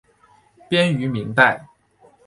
编于明代。